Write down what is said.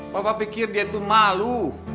papa pikir dia tuh malu